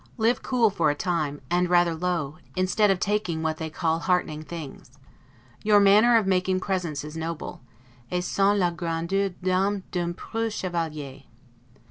Live cool for a time, and rather low, instead of taking what they call heartening things: Your manner of making presents is noble, 'et sent la grandeur d'ame d'un preux Chevalier'.